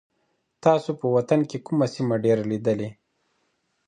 تاسو په وطن کي کومه سیمه ډېره لیدلې؟